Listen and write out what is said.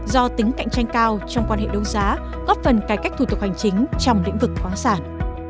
do tính cạnh tranh cao trong quan hệ đấu giá góp phần cải cách thủ tục hành chính trong lĩnh vực khoáng sản